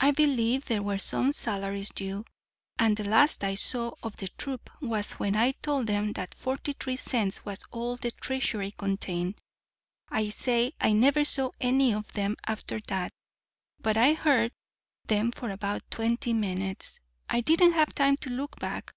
I believe there were some salaries due; and the last I saw of the troupe was when I told them that forty three cents was all the treasury contained. I say I never saw any of them after that; but I heard them for about twenty minutes. I didn't have time to look back.